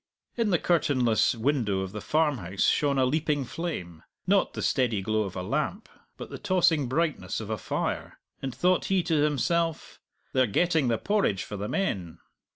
In the curtainless window of the farmhouse shone a leaping flame not the steady glow of a lamp, but the tossing brightness of a fire and thought he to himself, "They're getting the porridge for the men!"